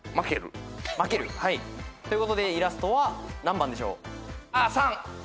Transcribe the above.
「まける」ということでイラストは何番でしょう？